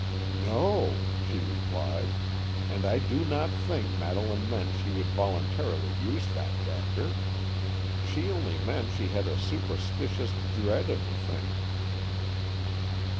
"No," she replied; "and I do not think Madeleine meant she would voluntarily use that dagger. She only meant she had a superstitious dread of the thing."